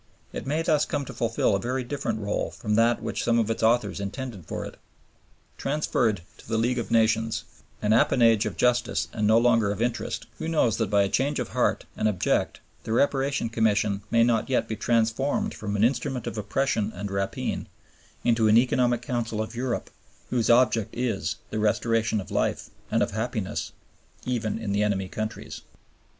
It may thus come to fulfil a very different rÙle from that which some of its authors intended for it. Transferred to the League of Nations, an appanage of justice and no longer of interest, who knows that by a change of heart and object the Reparation Commission may not yet be transformed from an instrument of oppression and rapine into an economic council of Europe, whose object is the restoration of life and of happiness, even in the enemy countries?